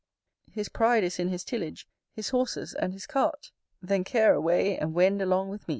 His pride is in his tillage, His horses, and his cart: Then care away, etc.